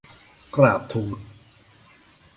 กราบทูล